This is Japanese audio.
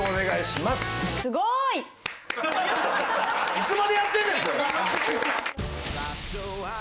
いつまでやってんねんそれ！